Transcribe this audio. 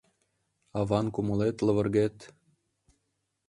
Аван кумылет лывыргет -